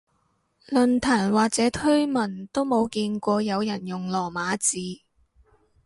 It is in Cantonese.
論壇或者推文都冇見過有人用羅馬字